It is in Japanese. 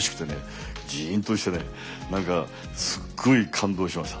ジーンとしてね何かすっごい感動しました。